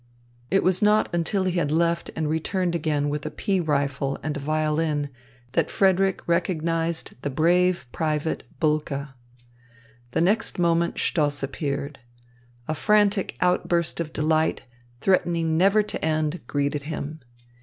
It was not until he had left and returned again with a pea rifle and a violin that Frederick recognised the brave private, Bulke. The next moment Stoss appeared. A frantic outburst of delight, threatening never to end, greeted him.